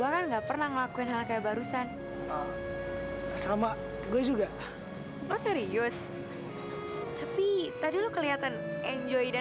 sampai jumpa di video selanjutnya